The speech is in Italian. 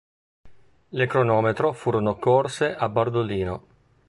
Le cronometro furono corse a Bardolino.